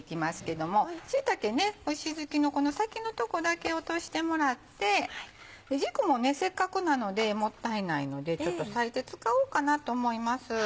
椎茸石づきのこの先の所だけ落としてもらって軸もせっかくなのでもったいないのでちょっと裂いて使おうかなと思います。